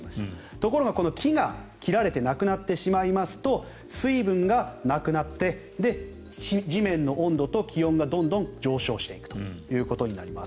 ところが、木が切られてなくなってしまいますと水分がなくなって地面の温度と気温がどんどん上昇していくことになります。